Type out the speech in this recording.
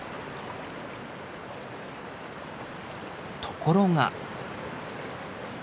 ところが。